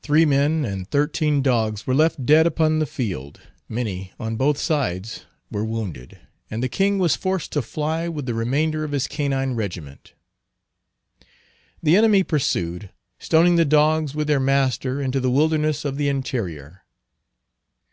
Three men and thirteen dogs were left dead upon the field, many on both sides were wounded, and the king was forced to fly with the remainder of his canine regiment. The enemy pursued, stoning the dogs with their master into the wilderness of the interior.